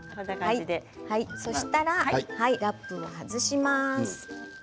そうしたらラップを外します。